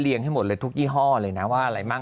ให้หมดเลยทุกยี่ห้อเลยนะว่าอะไรมั่ง